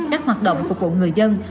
các hoạt động phục vụ người dân